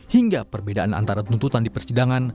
hingga perbedaan antara tuntutan di persidangan